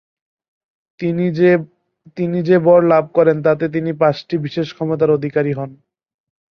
তিনি যে বর লাভ করেন তাতে তিনি পাঁচটি বিশেষ ক্ষমতার অধিকারী হন।